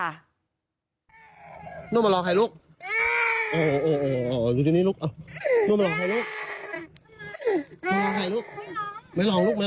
นั่งมารอใครลูก